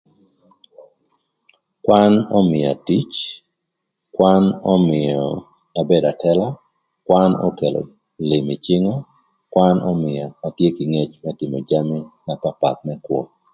Kwan ömïa tic, kwan ömïö abedo atëla, kwan okelo lïm ï cïnga, kwan ömïa atye kï ngec më tïmö jami na papath më kwö.